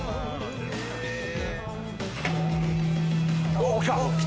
おっきた！